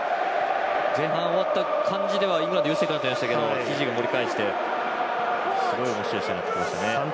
前半終わった感じではイングランド優勢でしたけどフィジーが盛り返してすごいおもしろい試合になってきましたね。